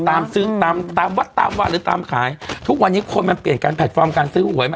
ตามซื้อตามตามวัดตามวัดหรือตามขายทุกวันนี้คนมันเปลี่ยนการแพลตฟอร์มการซื้อหวยมา